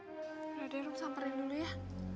udah deh rum samperin dulu ya